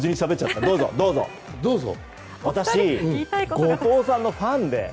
私、後藤さんのファンで。